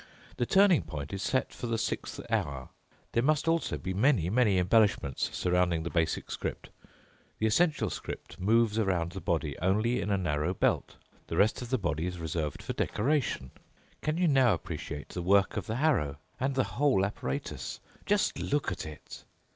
The turning point is set for the sixth hour. There must also be many, many embellishments surrounding the basic script. The essential script moves around the body only in a narrow belt. The rest of the body is reserved for decoration. Can you now appreciate the work of the harrow and the whole apparatus? Just look at it!"